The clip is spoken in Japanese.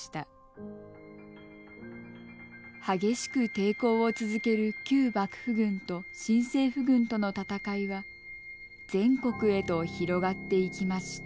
激しく抵抗を続ける旧幕府軍と新政府軍との戦いは全国へと広がっていきました。